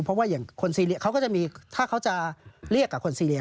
เพราะว่าอย่างคนซีเรียเขาก็จะมีถ้าเขาจะเรียกกับคนซีเรีย